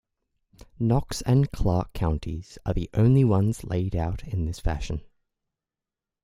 Knox and Clark counties are the only ones laid out in this fashion.